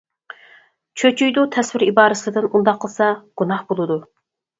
چۆچۈيدۇ تەسۋىر ئىبارىسىدىن، ئۇنداق قىلسا گۇناھ بولىدۇ.